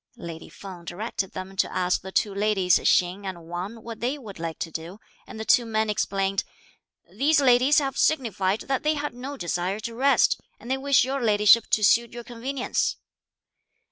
Lady Feng directed them to ask the two ladies Hsing and Wang what they would like to do, and the two men explained: "These ladies have signified that they had no desire to rest, and they wish your ladyship to suit your convenience."